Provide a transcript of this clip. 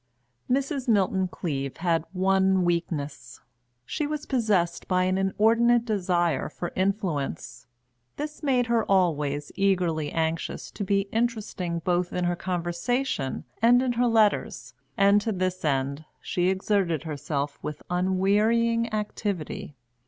Mrs. Milton Cleave had one weakness she was possessed by an inordinate desire for influence. This made her always eagerly anxious to be interesting both in her conversation and in her letters, and to this end she exerted herself with unwearying activity.